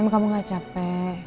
em kamu gak capek